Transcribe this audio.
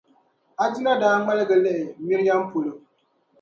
Aduna daa ŋmaligi lihi Miriam polo.